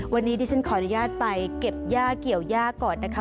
วันนี้ดิฉันขออนุญาตไปเก็บย่าเกี่ยวย่าก่อนนะคะ